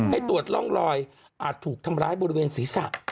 ให้ตรวจร่องรอยอาจถูกทำร้ายบริเวณศีรษะ